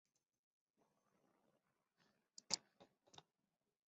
最初时的误差为不达到许容范围内后趋于稳定。